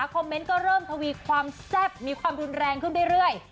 คอมเมนต์ก็เริ่มทวีความแซ่บมีความรุนแรงขึ้นเรื่อย